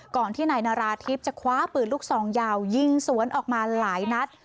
ก่อนที่นายนาราธิบจะคว้าปืนลูกซองยาวยิงสวนออกมาหลายนัด